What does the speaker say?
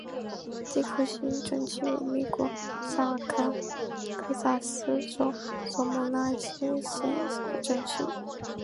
杰克逊镇区为美国堪萨斯州索姆奈县辖下的镇区。